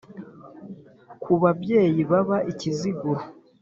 Ku babyeyi baba i Kiziguro